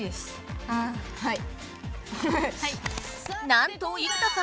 なんと生田さん